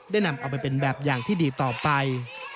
นำเอาไปเป็นแบบอย่างที่ดีต่อไป